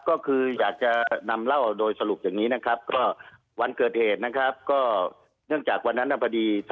ค่ะเรียนอยร์พิทัศทั้งหมดอ่านี่ครับอืมอ่าของที่